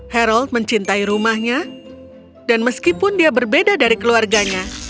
hairold mencintai rumahnya dan meskipun dia berbeda dari keluarganya